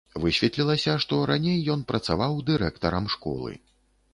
Высветлілася, што раней ён працаваў дырэктарам школы.